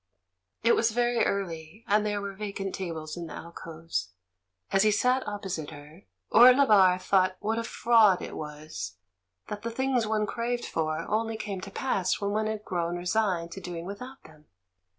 It was very early, and there were vacant tables in the alcoves. As he sat opposite her, Orlebar thought what a fraud it was that the things one craved for only came to pass when one had grown resigned to doing without them.